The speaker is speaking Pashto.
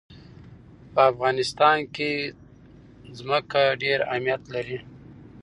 په افغانستان کې ځمکه ډېر اهمیت لري.